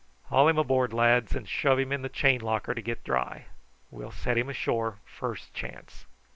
Haul him aboard, lads, and shove him in the chain locker to get dry. We'll set him ashore first chance."